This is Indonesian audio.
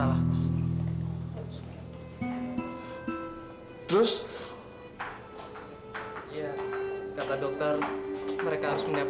tidak sudah selesai hidup